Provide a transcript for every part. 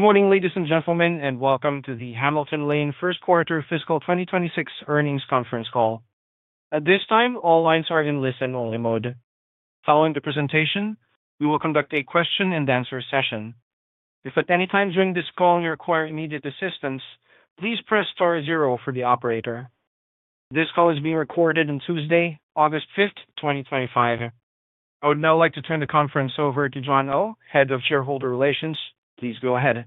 Good morning, ladies and gentlemen, and welcome to the Hamilton Lane First Quarter Fiscal 2026 Earnings Conference Call. At this time, all lines are in listen-only mode. Following the presentation, we will conduct a question-and-answer session. If at any time during this call you require immediate assistance, please press star zero for the operator. This call is being recorded on Tuesday, August 5th, 2025. I would now like to turn the conference over to John Oh, Head of Shareholder Relations. Please go ahead.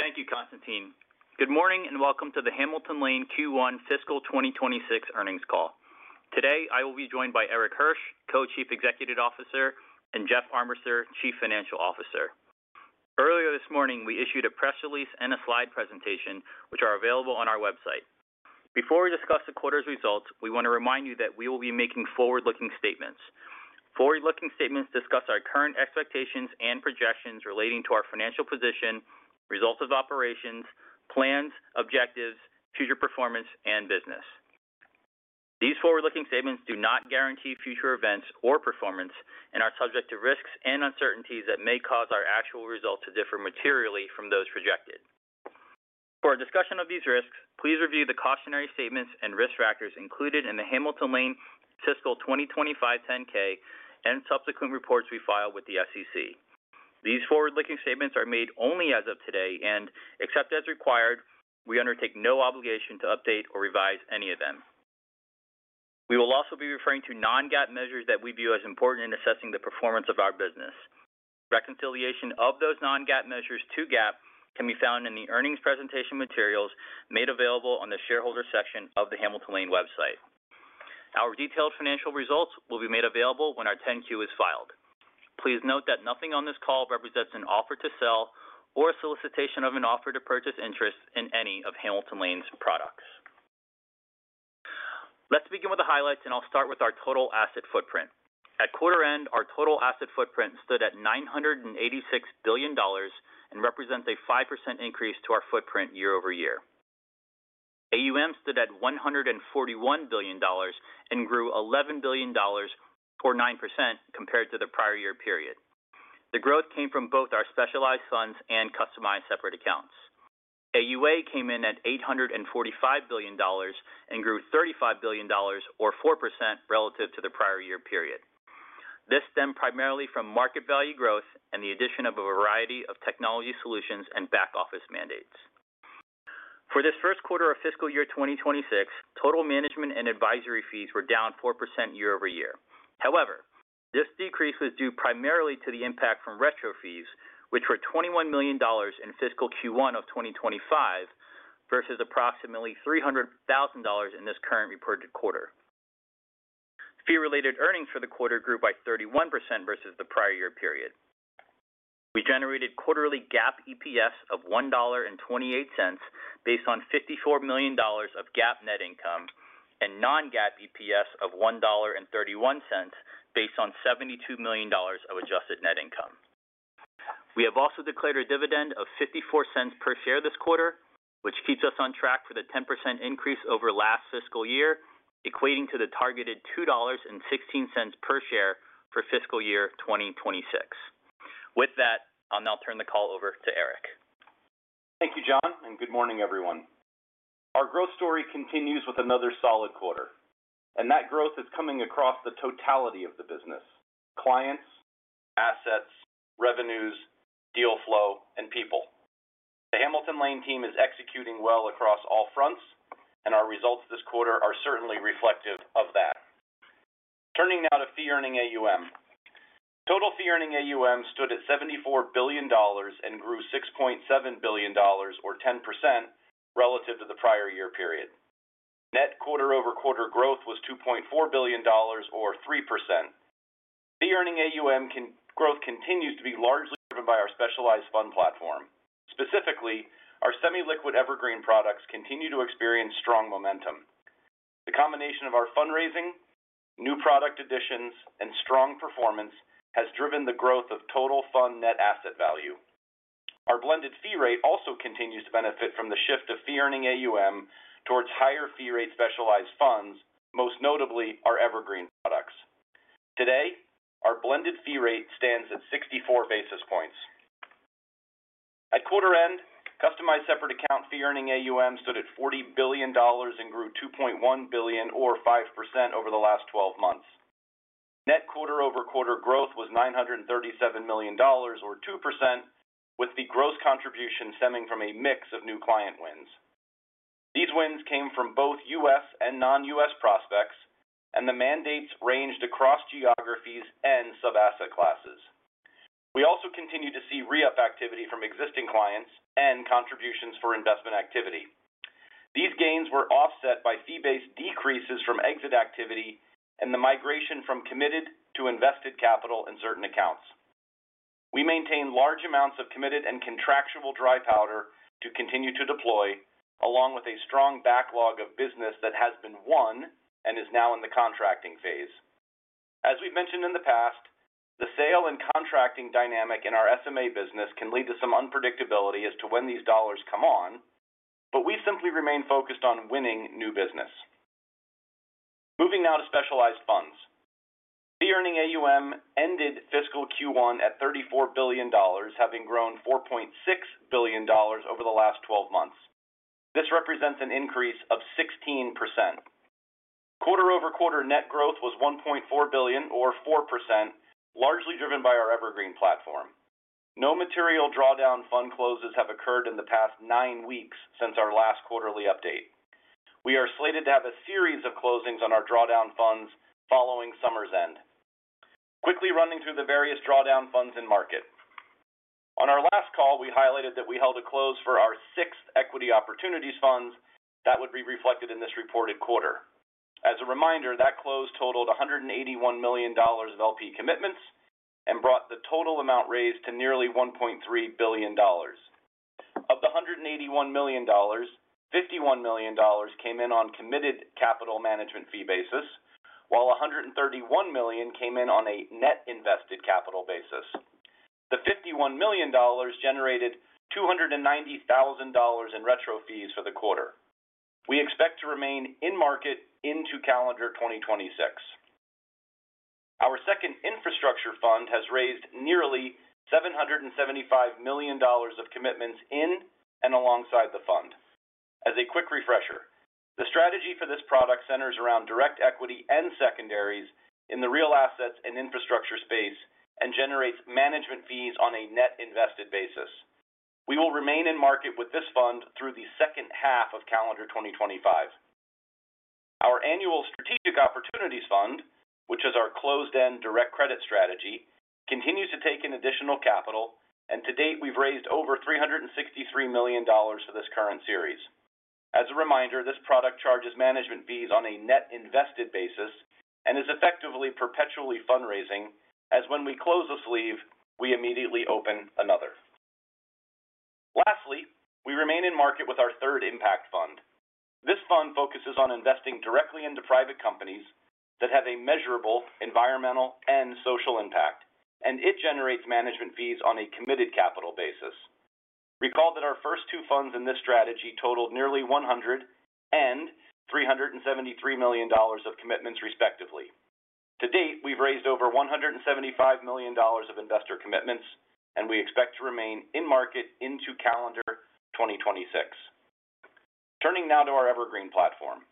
Thank you, Constantine. Good morning and welcome to the Hamilton Lane Q1 Fiscal 2026 Earnings Call. Today, I will be joined by Erik Hirsch, Co-Chief Executive Officer, and Jeff Armbrister, Chief Financial Officer. Earlier this morning, we issued a press release and a slide presentation, which are available on our website. Before we discuss the quarter's results, we want to remind you that we will be making forward-looking statements. Forward-looking statements discuss our current expectations and projections relating to our financial position, results of operations, plans, objectives, future performance, and business. These forward-looking statements do not guarantee future events or performance and are subject to risks and uncertainties that may cause our actual results to differ materially from those projected. For a discussion of these risks, please review the cautionary statements and risk factors included in the Hamilton Lane fiscal 2025 10-K and subsequent reports we file with the SEC. These forward-looking statements are made only as of today and, except as required, we undertake no obligation to update or revise any of them. We will also be referring to non-GAAP measures that we view as important in assessing the performance of our business. Reconciliation of those non-GAAP measures to GAAP can be found in the earnings presentation materials made available on the shareholder section of the Hamilton Lane website. Our detailed financial results will be made available when our 10-Q is filed. Please note that nothing on this call represents an offer to sell or a solicitation of an offer to purchase interest in any of Hamilton Lane's products. Let's begin with the highlights, and I'll start with our total asset footprint. At quarter end, our total asset footprint stood at $986 billion and represents a 5% increase to our footprint year over year. AUM stood at $141 billion and grew $11 billion, or 9%, compared to the prior year period. The growth came from both our specialized funds and customized separate accounts. AUA came in at $845 billion and grew $35 billion, or 4%, relative to the prior year period. This stemmed primarily from market value growth and the addition of a variety of technology solutions and back-office mandates. For this first quarter of fiscal year 2026, total management and advisory fees were down 4% year-over-year. However, this decrease was due primarily to the impact from retro fees, which were $21 million in fiscal Q1 of 2025 versus approximately $0.3 million in this current reported quarter. Fee-related earnings for the quarter grew by 31% versus the prior year period. We generated quarterly GAAP EPS of $1.28 based on $54 million of GAAP net income and non-GAAP EPS of $1.31 based on $72 million of adjusted net income. We have also declared a dividend of $0.54 per share this quarter, which keeps us on track for the 10% increase over last fiscal year, equating to the targeted $2.16 per share for fiscal year 2026. With that, I'll now turn the call over to Erik. Thank you, John, and good morning, everyone. Our growth story continues with another solid quarter, and that growth is coming across the totality of the business: clients, assets, revenues, deal flow, and people. The Hamilton Lane team is executing well across all fronts, and our results this quarter are certainly reflective of that. Turning now to fee-earning AUM. Total fee-earning AUM stood at $74 billion and grew $6.7 billion, or 10%, relative to the prior year period. Net quarter-over-quarter growth was $2.4 billion, or 3%. Fee-earning AUM growth continues to be largely driven by our specialized fund platform. Specifically, our semi-liquid Evergreen products continue to experience strong momentum. The combination of our fundraising, new product additions, and strong performance has driven the growth of total fund net asset value. Our blended fee rate also continues to benefit from the shift of fee-earning AUM towards higher fee-rate specialized funds, most notably our Evergreen products. Today, our blended fee rate stands at 64 basis points. At quarter end, customized separate account fee-earning AUM stood at $40 billion and grew $2.1 billion, or 5%, over the last 12 months. Net quarter-over-quarter growth was $937 million, or 2%, with the gross contribution stemming from a mix of new client wins. These wins came from both U.S. and non-U.S. prospects, and the mandates ranged across geographies and sub-asset classes. We also continued to see re-up activity from existing clients and contributions for investment activity. These gains were offset by fee-based decreases from exit activity and the migration from committed to invested capital in certain accounts. We maintain large amounts of committed and contractual dry powder to continue to deploy, along with a strong backlog of business that has been won and is now in the contracting phase. As we've mentioned in the past, the sale and contracting dynamic in our SMA business can lead to some unpredictability as to when these dollars come on, but we simply remain focused on winning new business. Moving now to specialized funds. Fee-earning AUM ended fiscal Q1 at $34 billion, having grown $4.6 billion over the last 12 months. This represents an increase of 16%. Quarter-over-quarter net growth was $1.4 billion, or 4%, largely driven by our Evergreen platform. No material drawdown fund closes have occurred in the past nine weeks since our last quarterly update. We are slated to have a series of closings on our drawdown funds following summer's end. Quickly running through the various drawdown funds in market. On our last call, we highlighted that we held a close for our sixth Equity Opportunities Fund that would be reflected in this reported quarter. As a reminder, that close totaled $181 million of LP commitments and brought the total amount raised to nearly $1.3 billion. Of the $181 million, $51 million came in on committed capital management fee basis, while $131 million came in on a net invested capital basis. The $51 million generated $290,000 in retro fees for the quarter. We expect to remain in market into calendar 2026. Our second Infrastructure Fund has raised nearly $775 million of commitments in and alongside the fund. As a quick refresher, the strategy for this product centers around direct equity and secondaries in the real assets and infrastructure space and generates management fees on a net invested basis. We will remain in market with this fund through the second half of calendar 2025. Our annual Strategic Opportunities Fund, which is our closed-end direct credit strategy, continues to take in additional capital, and to date, we've raised over $363 million for this current series. As a reminder, this product charges management fees on a net invested basis and is effectively perpetually fundraising, as when we close a sleeve, we immediately open another. Lastly, we remain in market with our third Impact Fund. This fund focuses on investing directly into private companies that have a measurable environmental and social impact, and it generates management fees on a committed capital basis. Recall that our first two funds in this strategy totaled nearly $100 million and $373 million of commitments, respectively. To date, we've raised over $175 million of investor commitments, and we expect to remain in market into calendar 2026. Turning now to our Evergreen platform.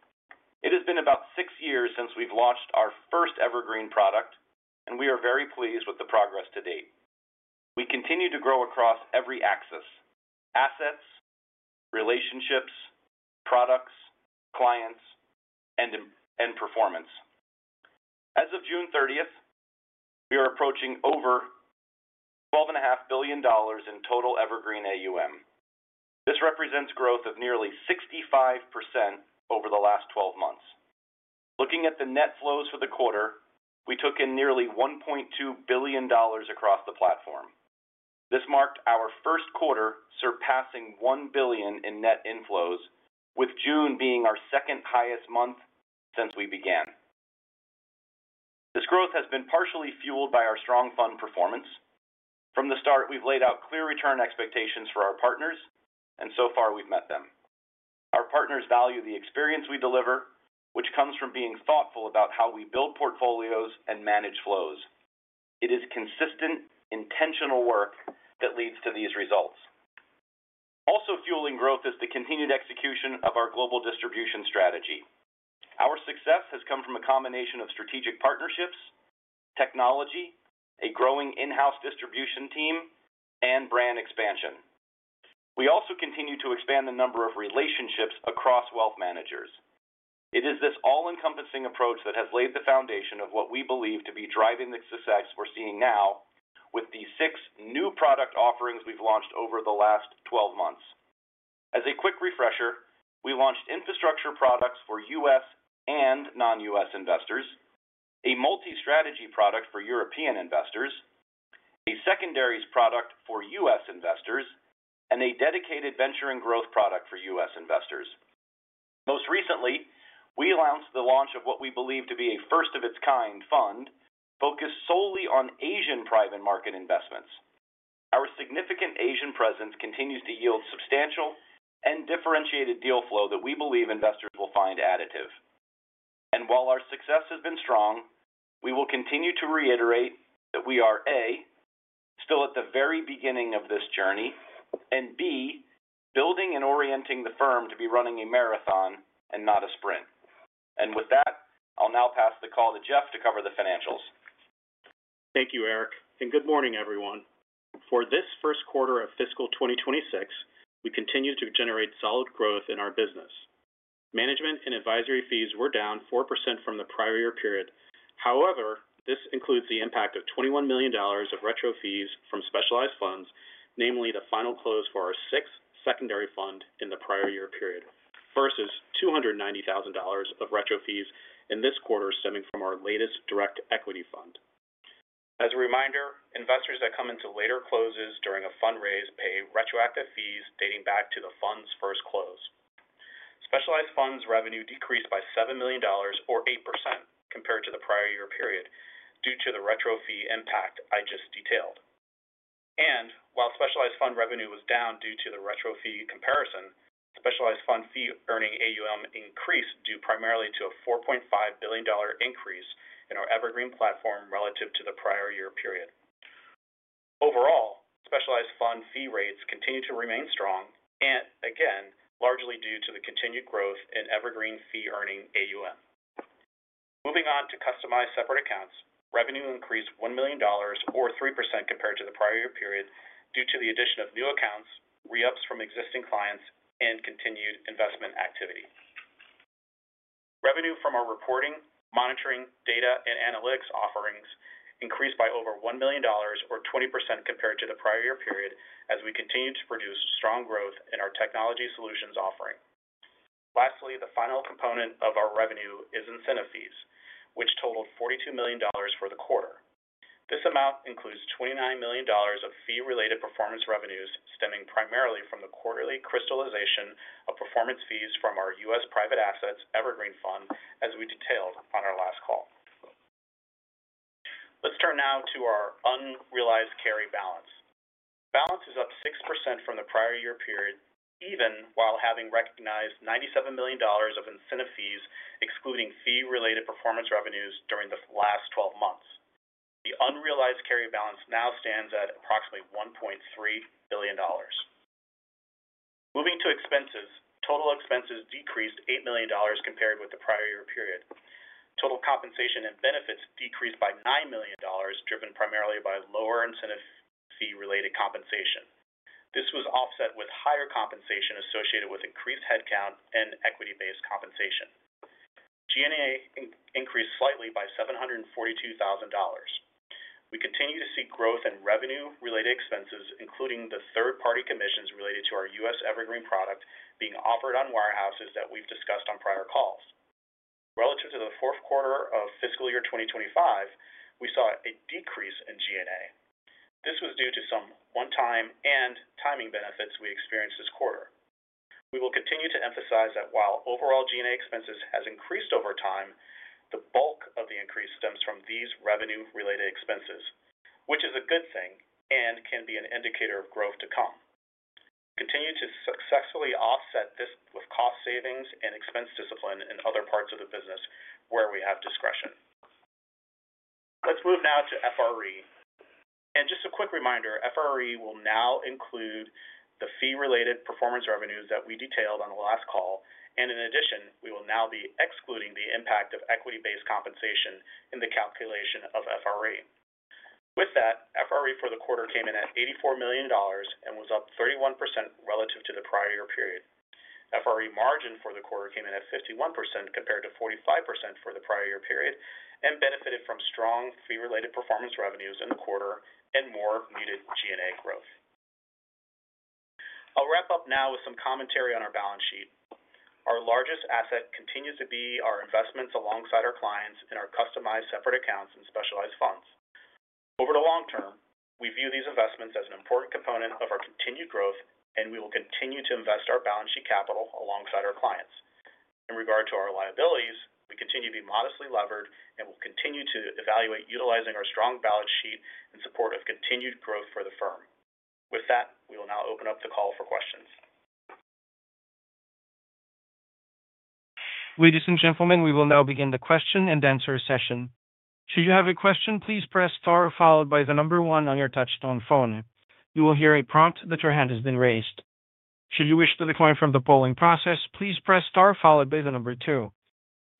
It has been about six years since we've launched our first Evergreen product, and we are very pleased with the progress to date. We continue to grow across every axis: assets, relationships, products, clients, and performance. As of June 30th, we are approaching over $12.5 billion in total Evergreen AUM. This represents growth of nearly 65% over the last 12 months. Looking at the net flows for the quarter, we took in nearly $1.2 billion across the platform. This marked our first quarter surpassing $1 billion in net inflows, with June being our second highest month since we began. This growth has been partially fueled by our strong fund performance. From the start, we've laid out clear return expectations for our partners, and so far, we've met them. Our partners value the experience we deliver, which comes from being thoughtful about how we build portfolios and manage flows. It is consistent, intentional work that leads to these results. Also fueling growth is the continued execution of our global distribution strategy. Our success has come from a combination of strategic partnerships, technology, a growing in-house distribution team, and brand expansion. We also continue to expand the number of relationships across wealth managers. It is this all-encompassing approach that has laid the foundation of what we believe to be driving the success we're seeing now with the six new product offerings we've launched over the last 12 months. As a quick refresher, we launched infrastructure products for U.S. and non-U.S. investors, a multi-strategy product for European investors, a secondaries product for U.S. investors, and a dedicated venture and growth product for U.S. investors. Most recently, we announced the launch of what we believe to be a first-of-its-kind fund focused solely on Asian private market investments. Our significant Asian presence continues to yield substantial and differentiated deal flow that we believe investors will find additive. While our success has been strong, we will continue to reiterate that we are: A, still at the very beginning of this journey, and B, building and orienting the firm to be running a marathon and not a sprint. With that, I'll now pass the call to Jeff to cover the financials. Thank you, Erik, and good morning, everyone. For this first quarter of fiscal 2026, we continue to generate solid growth in our business. Management and advisory fees were down 4% from the prior year period. However, this includes the impact of $21 million of retro fees from specialized funds, namely the final close for our sixth Secondary Fund in the prior year period, versus $290,000 of retro fees in this quarter stemming from our latest direct equity fund. As a reminder, investors that come into later closes during a fundraise pay retroactive fees dating back to the fund's first close. Specialized funds' revenue decreased by $7 million, or 8%, compared to the prior year period due to the retro fee impact I just detailed. While specialized fund revenue was down due to the retro fee comparison, specialized fund fee-earning AUM increased due primarily to a $4.5 billion increase in our Evergreen platform relative to the prior year period. Overall, specialized fund fee rates continue to remain strong and, again, largely due to the continued growth in Evergreen fee-earning AUM. Moving on to customized separate accounts, revenue increased $1 million, or 3%, compared to the prior year period due to the addition of new accounts, re-ups from existing clients, and continued investment activity. Revenue from our reporting, monitoring, data, and analytics offerings increased by over $1 million, or 20%, compared to the prior year period as we continue to produce strong growth in our Technology Solutions offering. Lastly, the final component of our revenue is incentive fees, which totaled $42 million for the quarter. This amount includes $29 million of fee-related performance revenues stemming primarily from the quarterly crystallization of performance fees from our US Private Assets Evergreen Fund, as we detailed on our last call. Let's turn now to our unrealized carry balance. Balance is up 6% from the prior year period, even while having recognized $97 million of incentive fees, excluding fee-related performance revenues during the last 12 months. The unrealized carry balance now stands at approximately $1.3 billion. Moving to expenses, total expenses decreased $8 million compared with the prior year period. Total compensation and benefits decreased by $9 million, driven primarily by lower incentive fee-related compensation. This was offset with higher compensation associated with increased headcount and equity-based compensation. G&A increased slightly by $742,000. We continue to see growth in revenue-related expenses, including the third-party commissions related to our U.S. Evergreen product being offered on warehouses that we've discussed on prior calls. Relative to the fourth quarter of fiscal year 2025, we saw a decrease in G&A. This was due to some one-time and timing benefits we experienced this quarter. We will continue to emphasize that while overall G&A expenses have increased over time, the bulk of the increase stems from these revenue-related expenses, which is a good thing and can be an indicator of growth to come. We continue to successfully offset this with cost savings and expense discipline in other parts of the business where we have discretion. Let's move now to FRE. Just a quick reminder, FRE will now include the fee-related performance revenues that we detailed on the last call, and in addition, we will now be excluding the impact of equity-based compensation in the calculation of FRE. With that, FRE for the quarter came in at $84 million and was up 31% relative to the prior year period. FRE margin for the quarter came in at 51% compared to 45% for the prior year period and benefited from strong fee-related performance revenues in the quarter and more muted G&A growth. I'll wrap up now with some commentary on our balance sheet. Our largest asset continues to be our investments alongside our clients in our customized separate accounts and specialized funds. Over the long term, we view these investments as an important component of our continued growth, and we will continue to invest our balance sheet capital alongside our clients. In regard to our liabilities, we continue to be modestly levered and will continue to evaluate utilizing our strong balance sheet in support of continued growth for the firm. With that, we will now open up the call for questions. Ladies and gentlemen, we will now begin the question and answer session. Should you have a question, please press star followed by the number one on your touch-tone phone. You will hear a prompt that your hand has been raised. Should you wish to decline from the polling process, please press star followed by the number two.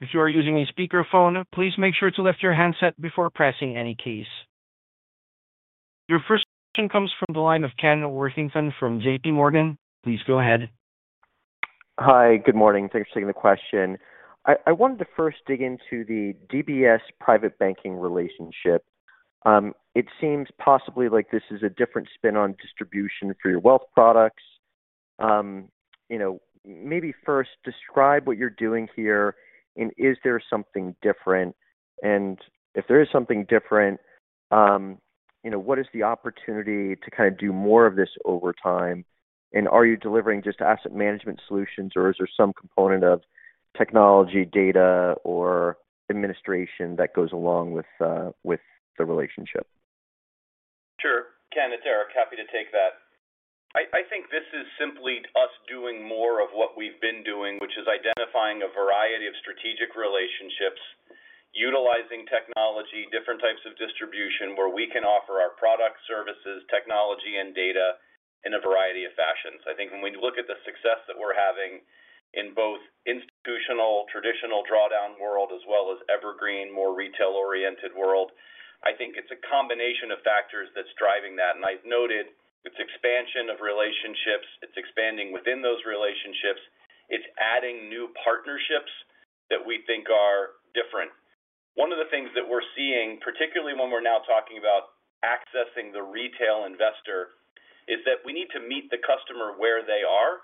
If you are using a speakerphone, please make sure to lift your handset before pressing any keys. Your first question comes from the line of Ken Worthington from JPMorgan. Please go ahead. Hi, good morning. Thanks for taking the question. I wanted to first dig into the DBS Private Banking relationship. It seems possibly like this is a different spin on distribution for your wealth products. Maybe first describe what you're doing here and is there something different? If there is something different, what is the opportunity to kind of do more of this over time? Are you delivering just asset management solutions or is there some component of technology, data, or administration that goes along with the relationship? Sure. Ken, it's Erik. Happy to take that. I think this is simply us doing more of what we've been doing, which is identifying a variety of strategic relationships, utilizing technology, different types of distribution where we can offer our products, services, technology, and data in a variety of fashions. I think when you look at the success that we're having in both institutional traditional drawdown world as well as Evergreen, more retail-oriented world, I think it's a combination of factors that's driving that. I've noted its expansion of relationships, it's expanding within those relationships, it's adding new partnerships that we think are different. One of the things that we're seeing, particularly when we're now talking about accessing the retail investor, is that we need to meet the customer where they are.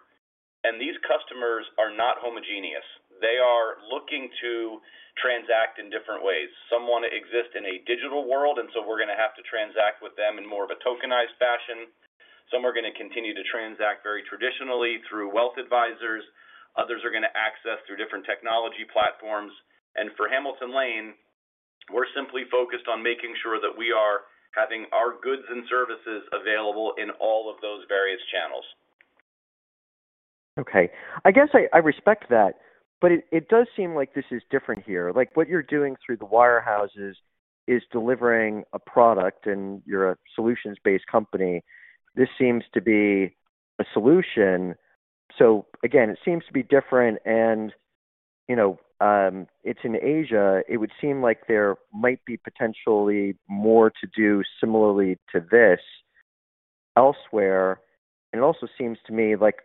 These customers are not homogeneous. They are looking to transact in different ways. Some want to exist in a digital world, and so we're going to have to transact with them in more of a tokenized fashion. Some are going to continue to transact very traditionally through wealth advisors. Others are going to access through different technology platforms. For Hamilton Lane, we're simply focused on making sure that we are having our goods and services available in all of those various channels. Okay. I guess I respect that, but it does seem like this is different here. What you're doing through the warehouses is delivering a product and you're a solutions-based company. This seems to be a solution. It seems to be different. You know it's in Asia. It would seem like there might be potentially more to do similarly to this elsewhere. It also seems to me like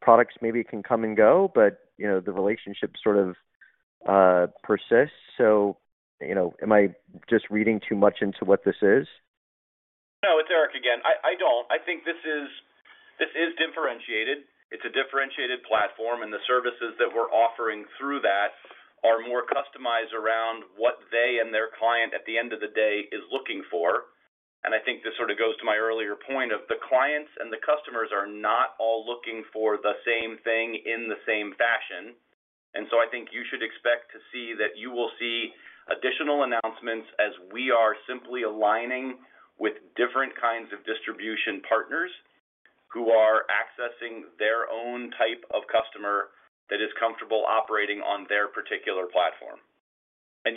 products maybe can come and go, but the relationship sort of persists. Am I just reading too much into what this is? No, it's Erik again. I don't. I think this is differentiated. It's a differentiated platform, and the services that we're offering through that are more customized around what they and their client at the end of the day is looking for. I think this sort of goes to my earlier point of the clients and the customers are not all looking for the same thing in the same fashion. I think you should expect to see that you will see additional announcements as we are simply aligning with different kinds of distribution partners who are accessing their own type of customer that is comfortable operating on their particular platform.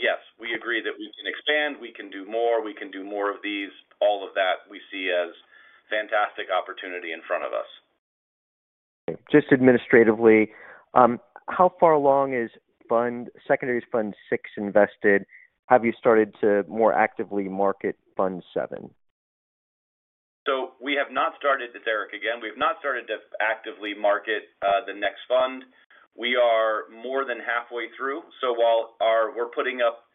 Yes, we agree that we can expand, we can do more, we can do more of these, all of that we see as fantastic opportunity in front of us. Just administratively, how far along is Secondary Fund VI invested? Have you started to more actively market Fund VII? We have not started to actively market the next fund. It's Erik again. We are more than halfway through. While we're putting up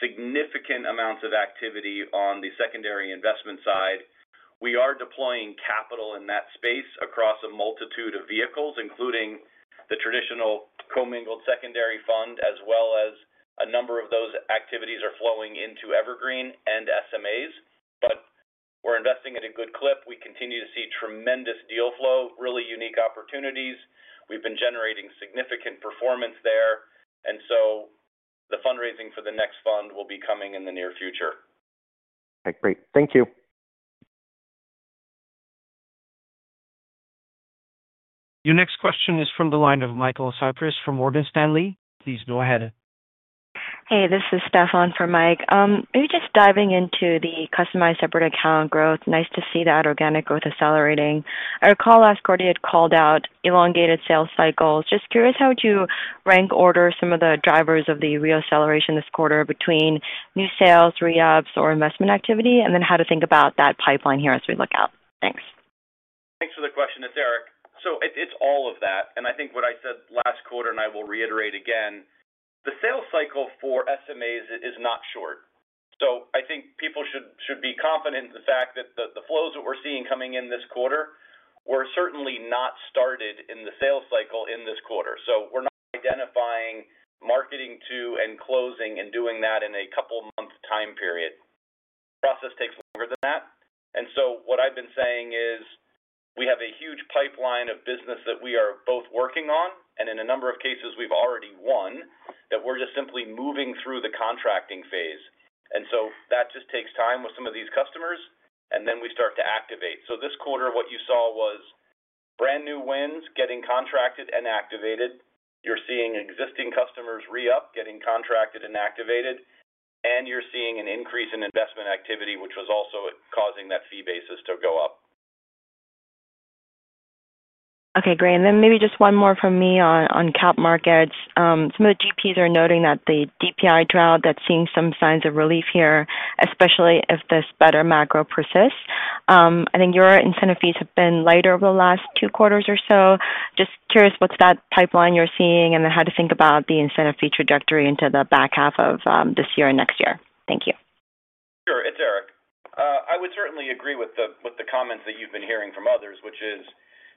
significant amounts of activity on the secondary investment side, we are deploying capital in that space across a multitude of vehicles, including the traditional commingled Secondary Fund, as well as a number of those activities are flowing into Evergreen and SMAs. We're investing at a good clip. We continue to see tremendous deal flow, really unique opportunities. We've been generating significant performance there. The fundraising for the next fund will be coming in the near future. Okay, great. Thank you. Your next question is from the line of Michael Cyprys from Morgan Stanley. Please go ahead. Hey, this is Stefan from Mike. Maybe just diving into the customized separate account growth. Nice to see the organic growth accelerating. I recall last quarter you had called out elongated sales cycles. Just curious how would you rank order some of the drivers of the real acceleration this quarter between new sales, re-ups, or investment activity, and then how to think about that pipeline here as we look out. Thanks. Thanks for the question. It's Erik. It's all of that. I think what I said last quarter, and I will reiterate again, the sales cycle for SMAs is not short. I think people should be confident in the fact that the flows that we're seeing coming in this quarter were certainly not started in the sales cycle in this quarter. We're not identifying, marketing to, and closing and doing that in a couple-month time period. The process takes longer than that. What I've been saying is we have a huge pipeline of business that we are both working on, and in a number of cases, we've already won, that we're just simply moving through the contracting phase. That just takes time with some of these customers, and then we start to activate. This quarter, what you saw was brand new wins getting contracted and activated. You're seeing existing customers re-up, getting contracted and activated, and you're seeing an increase in investment activity, which was also causing that fee basis to go up. Okay, great. Maybe just one more from me on cap markets. Some of the GPs are noting that the DPI drought, they're seeing some signs of relief here, especially if this better macro persists. I think your incentive fees have been lighter over the last two quarters or so. Just curious, what's that pipeline you're seeing and then how to think about the incentive fee trajectory into the back half of this year and next year? Thank you. Sure, it's Erik. I would certainly agree with the comments that you've been hearing from others, which is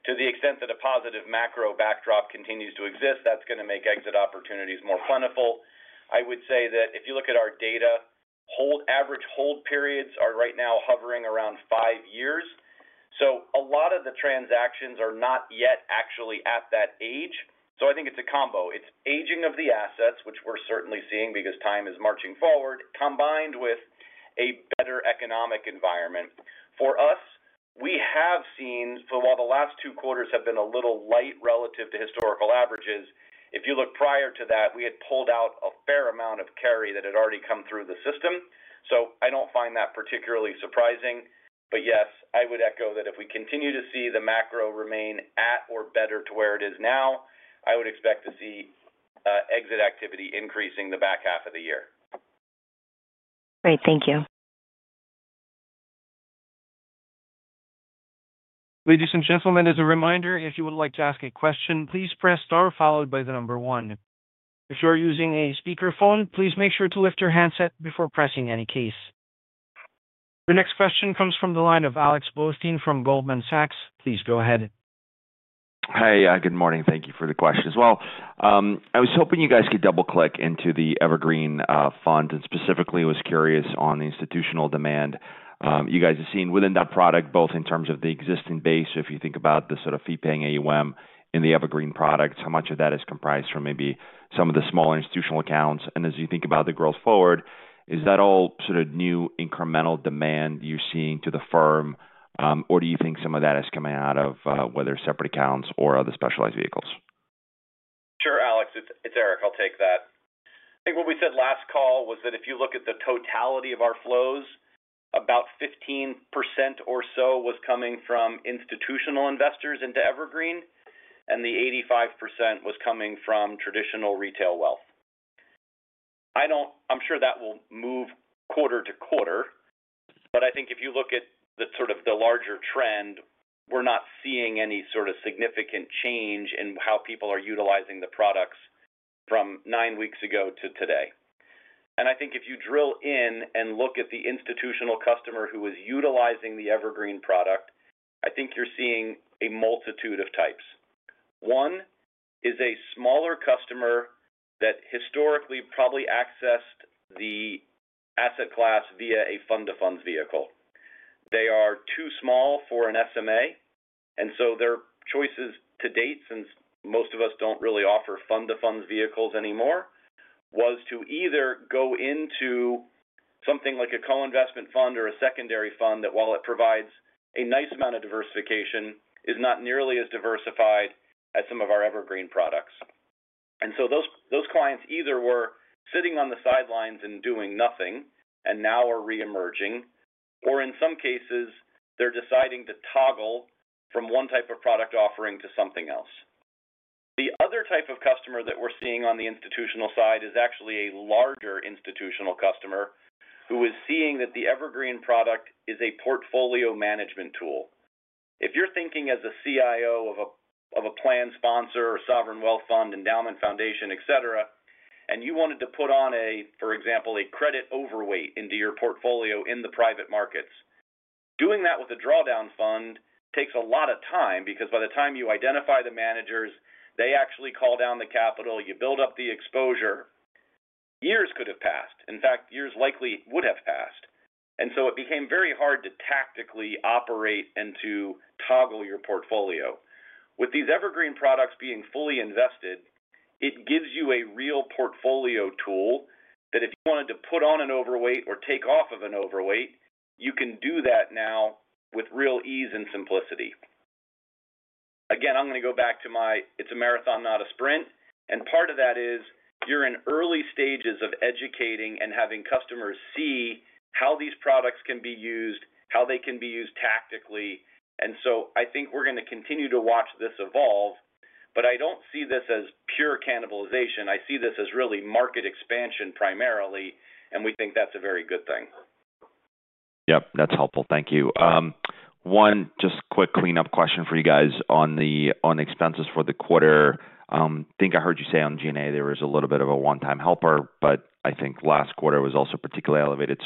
to the extent that a positive macro backdrop continues to exist, that's going to make exit opportunities more plentiful. I would say that if you look at our data, average hold periods are right now hovering around five years. A lot of the transactions are not yet actually at that age. I think it's a combo. It's aging of the assets, which we're certainly seeing because time is marching forward, combined with a better economic environment. For us, we have seen, while the last two quarters have been a little light relative to historical averages, if you look prior to that, we had pulled out a fair amount of carry that had already come through the system. I don't find that particularly surprising. Yes, I would echo that if we continue to see the macro remain at or better to where it is now, I would expect to see exit activity increasing the back half of the year. Great, thank you. Ladies and gentlemen, as a reminder, if you would like to ask a question, please press star followed by the number one. If you are using a speakerphone, please make sure to lift your handset before pressing any keys. Your next question comes from the line of Alex Blostein from Goldman Sachs. Please go ahead. Hi, good morning. Thank you for the questions. I was hoping you guys could double-click into the Evergreen fund and specifically was curious on the institutional demand you guys have seen within that product, both in terms of the existing base. If you think about the sort of fee-paying AUM in the Evergreen products, how much of that is comprised from maybe some of the smaller institutional accounts? As you think about the growth forward, is that all sort of new incremental demand you're seeing to the firm, or do you think some of that is coming out of whether separate accounts or other specialized vehicles? Sure, Alex. It's Erik. I'll take that. I think what we said last call was that if you look at the totality of our flows, about 15% or so was coming from institutional investors into Evergreen, and the 85% was coming from traditional retail wealth. I'm sure that will move quarter to quarter, but I think if you look at the sort of the larger trend, we're not seeing any sort of significant change in how people are utilizing the products from nine weeks ago to today. I think if you drill in and look at the institutional customer who is utilizing the Evergreen product, I think you're seeing a multitude of types. One is a smaller customer that historically probably accessed the asset class via a fund-of-funds vehicle. They are too small for an SMA, and so their choices to date, since most of us don't really offer fund-of-funds vehicles anymore, was to either go into something like a co-investment fund or a Secondary Fund that, while it provides a nice amount of diversification, is not nearly as diversified as some of our Evergreen products. Those clients either were sitting on the sidelines and doing nothing and now are re-emerging, or in some cases, they're deciding to toggle from one type of product offering to something else. The other type of customer that we're seeing on the institutional side is actually a larger institutional customer who is seeing that the Evergreen product is a portfolio management tool. If you're thinking as a CIO of a plan sponsor or sovereign wealth fund, endowment, foundation, etc., and you wanted to put on, for example, a credit overweight into your portfolio in the private markets, doing that with a drawdown fund takes a lot of time because by the time you identify the managers, they actually call down the capital, you build up the exposure, years could have passed. In fact, years likely would have passed. It became very hard to tactically operate and to toggle your portfolio. With these Evergreen products being fully invested, it gives you a real portfolio tool that if you wanted to put on an overweight or take off of an overweight, you can do that now with real ease and simplicity. I'm going to go back to my, it's a marathon, not a sprint. Part of that is you're in early stages of educating and having customers see how these products can be used, how they can be used tactically. I think we're going to continue to watch this evolve, but I don't see this as pure cannibalization. I see this as really market expansion primarily, and we think that's a very good thing. Yep, that's helpful. Thank you. One quick clean-up question for you guys on the expenses for the quarter. I think I heard you say on G&A there was a little bit of a one-time helper, but I think last quarter was also particularly elevated.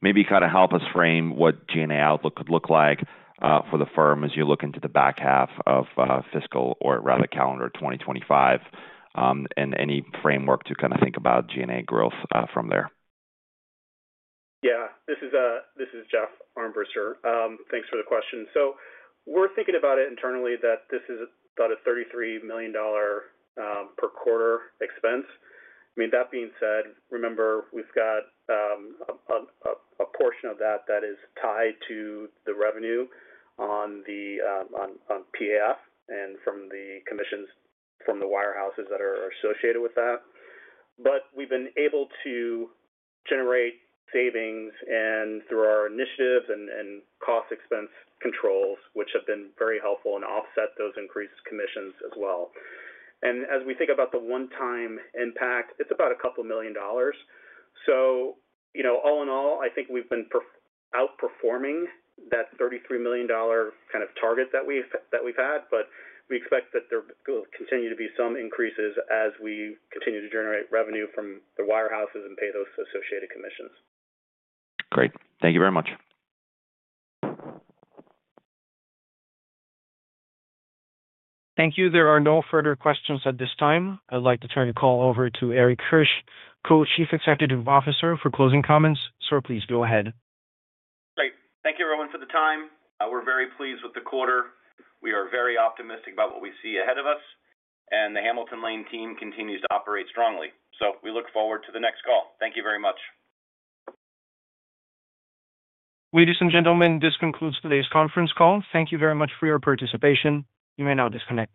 Maybe help us frame what G&A outlook could look like for the firm as you look into the back half of fiscal or rather calendar 2025 and any framework to think about G&A growth from there. Yeah, this is Jeff Armbrister. Thanks for the question. We're thinking about it internally that this is about a $33 million per quarter expense. That being said, remember we've got a portion of that that is tied to the revenue on PAF and from the commissions from the warehouses that are associated with that. We've been able to generate savings through our initiatives and cost expense controls, which have been very helpful and offset those increased commissions as well. As we think about the one-time impact, it's about a couple million dollars. All in all, I think we've been outperforming that $33 million kind of target that we've had, but we expect that there will continue to be some increases as we continue to generate revenue from the warehouses and pay those associated commissions. Great. Thank you very much. Thank you. There are no further questions at this time. I'd like to turn the call over to Erik Hirsch, Co-Chief Executive Officer, for closing comments. Sir, please go ahead. Great. Thank you, everyone, for the time. We're very pleased with the quarter. We are very optimistic about what we see ahead of us, and the Hamilton Lane team continues to operate strongly. We look forward to the next call. Thank you very much. Ladies and gentlemen, this concludes today's conference call. Thank you very much for your participation. You may now disconnect.